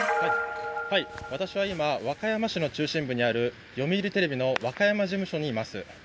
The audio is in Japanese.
私は今、和歌山市の中心部にある読売テレビの和歌山事務所にいます。